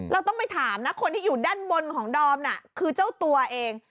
เราต้องไปถามนะคนที่อยู่ด้านบนของดอมน่ะคือเจ้าตัวเอง